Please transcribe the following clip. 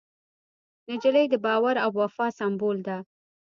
نجلۍ د باور او وفا سمبول ده.